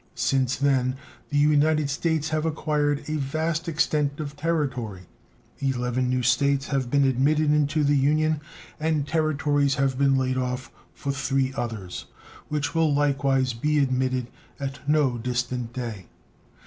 Since then the United States have acquired a vast extent of territory; eleven new States have been admitted into the Union, and Territories have been laid off for three others, which will likewise be admitted at no distant day.